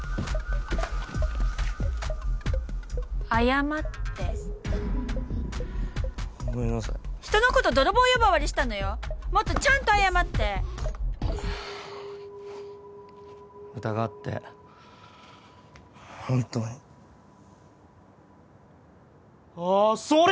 謝ってごめんなさい人のこと泥棒呼ばわりしたのよもっとちゃんと謝って疑って本当にあっそれ！